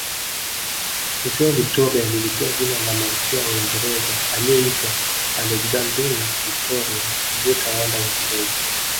Ziwa Victoria lilipewa jina la Malkia wa Uingereza aliyeitwa Alexandrina Victoria aliyetawala Uingereza